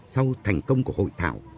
sau thành công của hội thảo